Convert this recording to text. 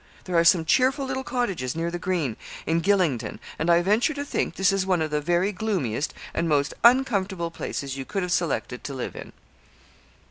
There are some cheerful little cottages near the green, in Gylingden, and I venture to think, this is one of the very gloomiest and most uncomfortable places you could have selected to live in.'